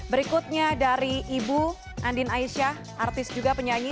berikutnya dari ibu andin aisyah artis juga penyanyi